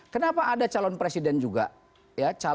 kenapa ada calon presiden juga ya